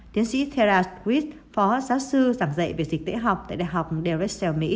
tiến sĩ tara swift phó giáo sư giảng dạy về dịch tễ học tại đại học derussell mỹ